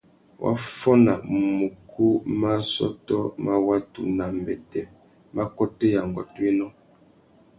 Wa fôna mukú má assôtô má watu nà ambêtê, mbakôtéya, ngôtōénô.